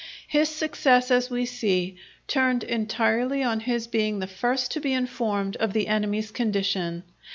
His success, as we see, turned entirely on his being the first to be informed of the enemy's condition.